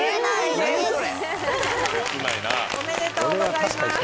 おめでとうございます。